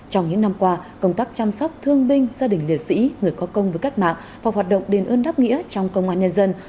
trong những năm qua công tác chăm sóc thương binh gia đình liệt sĩ người có công với cách mạng và hoạt động đền ơn đáp nghĩa trong công an nhân dân